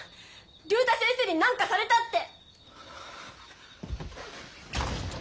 竜太先生に何かされたって。